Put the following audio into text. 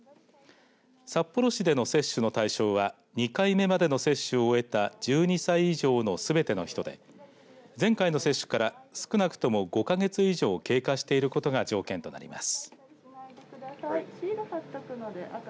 札幌市での接種の対象は２回目までの接種を終えた１２歳以上のすべての人で前回の接種から少なくとも５か月以上経過していることが条件となります。